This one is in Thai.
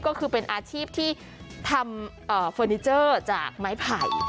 ก็คือเป็นอาชีพที่ทำเฟอร์นิเจอร์จากไม้ไผ่